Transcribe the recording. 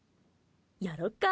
やろっか。